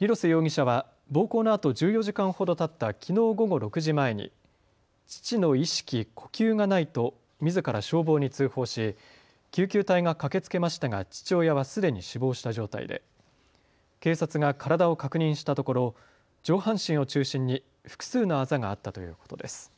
廣瀬容疑者は暴行のあと１４時間ほどたったきのう午後６時前に父の意識、呼吸がないとみずから消防に通報し救急隊が駆けつけましたが父親はすでに死亡した状態で警察が体を確認したところ上半身を中心に複数のあざがあったということです。